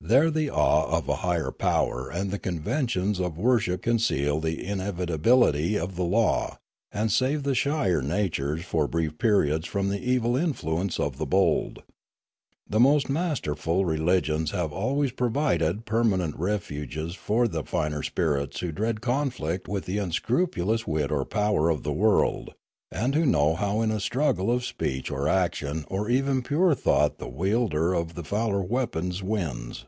There the awe of a higher power and the conventions of worship conceal the inevitability of the law, and save the shyer natures for brief periods from the evil influence of the bold. The most masterful re ligions have always provided permanent refuges for the finer spirits who dread conflict with the unscru pulous wit or power of the world, and who know how in a struggle of speech or action or even pure thought the wielder of the fouler weapons wins.